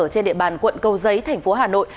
ở trên địa bàn quận cầu giấy thành phố hà nội